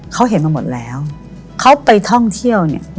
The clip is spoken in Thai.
เขาเห็นมาหมดแล้วเขาไปท่องเที่ยวเนี่ย